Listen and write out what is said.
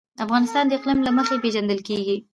افغانستان د اقلیم له مخې پېژندل کېږي.